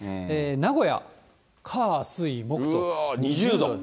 名古屋、火、水、木と２０度。